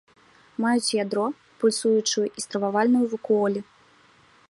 Маюць ядро, пульсуючую і стрававальную вакуолі.